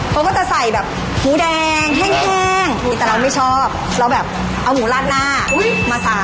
เขาก็จะใส่แบบหมูแดงแห้งแต่เราไม่ชอบเราแบบเอาหมูลาดหน้ามาใส่